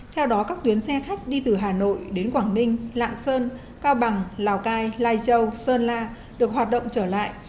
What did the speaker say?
theo đó các tuyến xe khách đi từ hà nội đến quảng ninh lạng sơn cao bằng lào cai lai châu sơn la được hoạt động trở lại